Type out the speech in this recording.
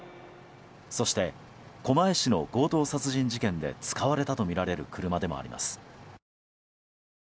そして、狛江市の強盗殺人事件で使われたとみられる車でもあります。